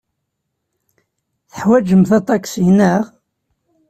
Teḥwajemt aṭaksi, naɣ?